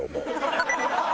ハハハハ！